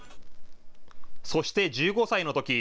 そして１５歳のとき。